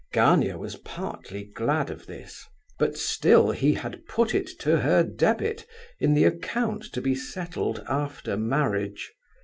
Gania was partly glad of this; but still he had put it to her debit in the account to be settled after marriage.